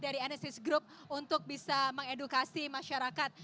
dari enesis group untuk bisa mengedukasi masyarakat